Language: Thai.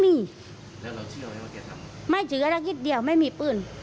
ไม่เชื่อแค่คิดเดียวไม่มีปืน